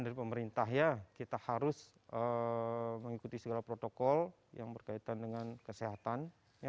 dari pemerintah ya kita harus mengikuti segala protokol yang berkaitan dengan kesehatan